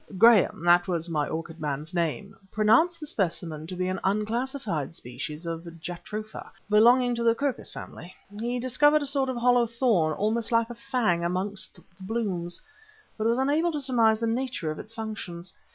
"Grahame that was my orchid man's name pronounced the specimen to be an unclassified species of jatropha; belonging to the Curcas family. He discovered a sort of hollow thorn, almost like a fang, amongst the blooms, but was unable to surmise the nature of its functions.